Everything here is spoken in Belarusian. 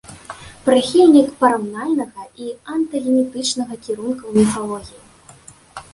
Прыхільнік параўнальнага і антагенетычнага кірункаў у марфалогіі.